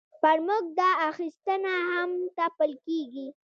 پر موږ دا اخیستنه هم تپل کېږي.